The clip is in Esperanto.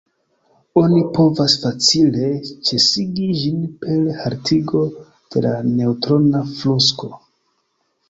Oni povas facile ĉesigi ĝin per haltigo de la neŭtrona flukso.